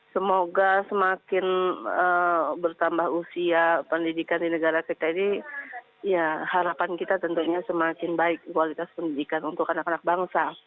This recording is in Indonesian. semoga semakin bertambah usia pendidikan di negara kita ini ya harapan kita tentunya semakin baik kualitas pendidikan untuk anak anak bangsa